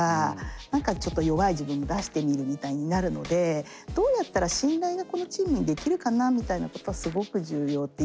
何かちょっと弱い自分も出してみるみたいになるのでどうやったら信頼がこのチームにできるかなみたいなことはすごく重要っていわれてます。